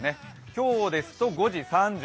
今日ですと５時３１分。